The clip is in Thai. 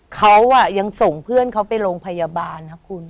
เขายังส่งเพื่อนเขาไปโรงพยาบาลนะคุณ